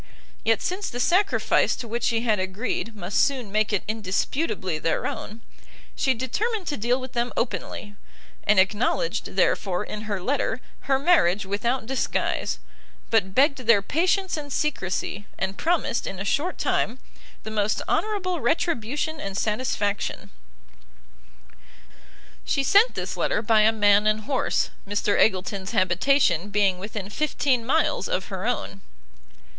Yet since the sacrifice to which she had agreed must soon make it indisputably their own, she determined to deal with them openly; and acknowledged, therefore, in her letter, her marriage without disguise, but begged their patience and secresy, and promised, in a short time, the most honourable retribution and satisfaction. She sent this letter by a man and horse, Mr Eggleston's habitation being within fifteen miles of her own.